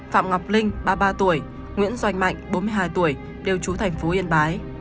phạm ngọc linh ba mươi ba tuổi nguyễn doanh mạnh bốn mươi hai tuổi đều trú thành phố yên bái